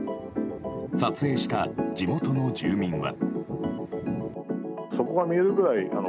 撮影した地元の住民は。